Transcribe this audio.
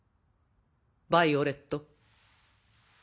ヴァイオレット。